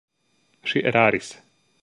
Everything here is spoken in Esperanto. Ŝi eraris.